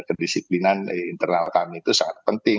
kedisiplinan internal kami itu sangat penting